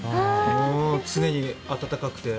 常に温かくて。